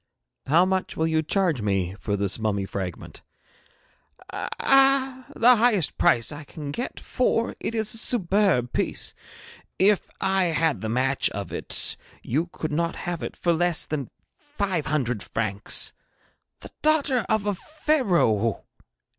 'How much will you charge me for this mummy fragment?' 'Ah, the highest price I can get, for it is a superb piece. If I had the match of it you could not have it for less than five hundred francs. The daughter of a Pharaoh!